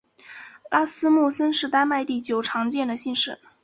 拉斯穆森是丹麦第九常见的姓氏。